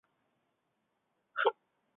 对此毛未作批复。